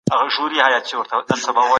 شپېته عدد له شپږو لسيانو څخه جوړيږي.